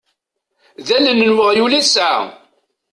D allen n weɣyul i tesɛa.